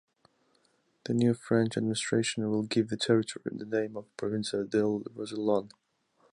The new French administration will give the territory the name of Provincia del Rosellón.